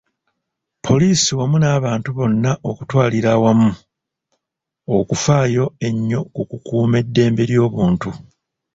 Poliisi wamu n’abantu bonna okutwalira awamu, okufaayo ennyo ku kukuuma eddembe ly’obuntu.